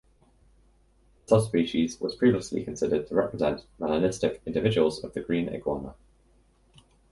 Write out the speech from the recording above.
The subspecies was previously considered to represent melanistic individuals of the green iguana.